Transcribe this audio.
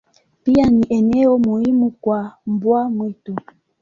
Pia ni eneo muhimu kwa mbwa mwitu.